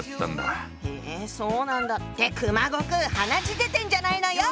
へそうなんだって熊悟空鼻血出てんじゃないのよ！